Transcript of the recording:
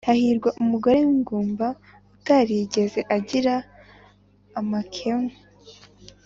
Hahirwa umugore w’ingumba utarigeze agira amakemwa,